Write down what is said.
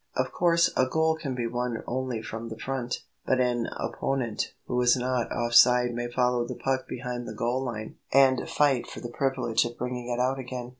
Of course a goal can be won only from the front; but an opponent who is not off side may follow the puck behind the goal line, and fight for the privilege of bringing it out again.